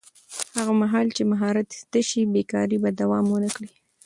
هغه مهال چې مهارت زده شي، بېکاري به دوام ونه کړي.